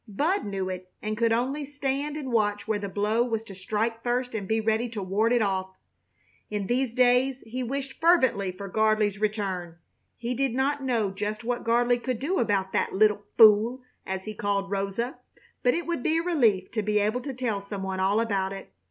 Bud knew it and could only stand and watch where the blow was to strike first and be ready to ward it off. In these days he wished fervently for Gardley's return. He did not know just what Gardley could do about "that little fool," as he called Rosa, but it would be a relief to be able to tell some one all about it.